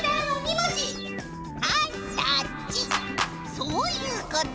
そういうこと！